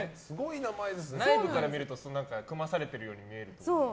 内部から見たら組まされてるように見える？